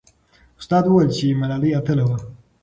استاد وویل چې ملالۍ اتله وه.